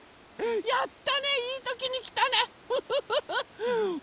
やったねいいときにきたねフフフフ！